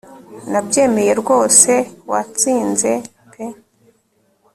nabyemeye rwose watsinze peuh